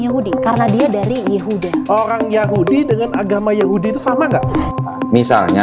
yahudi karena dia dari yahudi orang yahudi dengan agama yahudi itu sama enggak misalnya